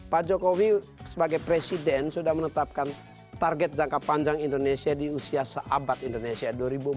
pak jokowi sebagai presiden sudah menetapkan target jangka panjang indonesia di usia seabad indonesia dua ribu empat puluh